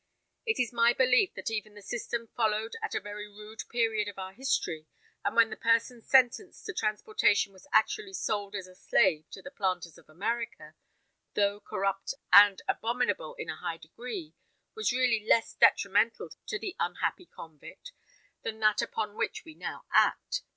It is my belief that even the system followed at a very rude period of our history, and when the person sentenced to transportation was actually sold as a slave to the planters of America, though corrupt and abominable in a high degree, was really less detrimental to the unhappy convict than that upon which we now act.